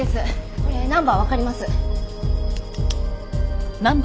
これナンバーわかります。